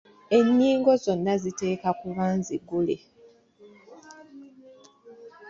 Ennyingo zonna ziteekwa kuba nzigule.